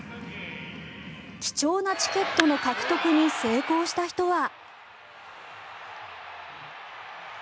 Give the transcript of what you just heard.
貴重なチケットの獲得に成功した人は。